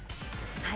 はい。